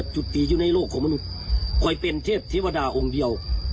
ใช่มั้ย